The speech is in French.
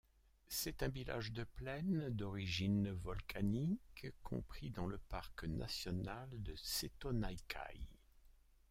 C'est un village de plaine d'origine volcanique compris dans le parc national de Setonaikai.